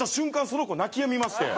その子泣きやみまして。